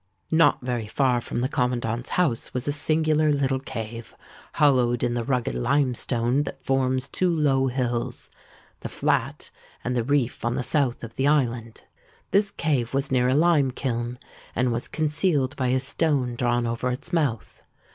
"Not very far from the Commandant's house was a singular little cave, hollowed in the rugged limestone that forms two low hills,—the flat and the reef on the south of the island. This cave was near a lime kiln, and was concealed by a stone drawn over its mouth.